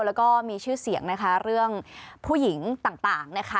แล้วก็มีชื่อเสียงนะคะเรื่องผู้หญิงต่างนะคะ